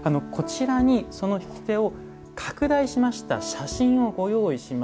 こちらにその引き手を拡大しました写真をご用意しました。